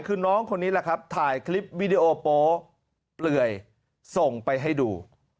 คือน้องคนนี้แหละครับถ่ายคลิปวิดีโอโป๊เปลื่อยส่งไปให้ดู